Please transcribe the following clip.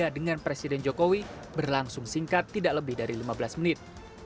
dengan presiden jokowi berlangsung singkat tidak lebih dari lima belas menit